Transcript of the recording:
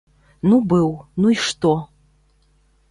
Ну быў, ну і што?